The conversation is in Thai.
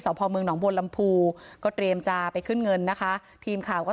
สพมน์นบวนลำภูก็เตรียมจาไปขึ้นเงินนะคะทีมข่าวก็